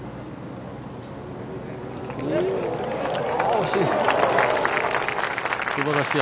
惜しい！